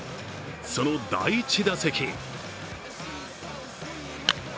その第１打席。